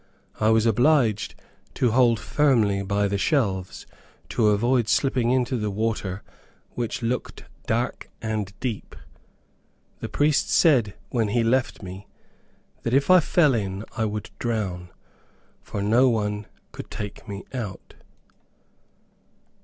I was obliged to hold firmly by the shelves, to avoid slipping into the water which looked dark and deep. The priest said, when he left me, that if I fell in, I would drown, for no one could take me out.